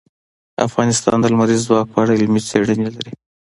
افغانستان د لمریز ځواک په اړه علمي څېړنې لري.